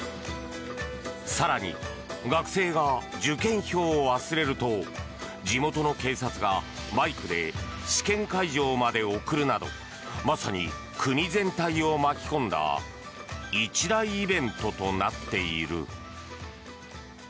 更に学生が受験票を忘れると地元の警察がバイクで試験会場まで送るなどまさに国全体を巻き込んだ一大イベントとなっている。